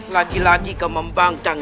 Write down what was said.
lagi lagi kau membangtang